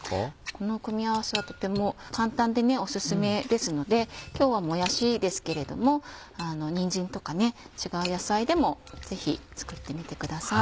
この組み合わせはとても簡単でオススメですので今日はもやしですけれどもにんじんとか違う野菜でもぜひ作ってみてください。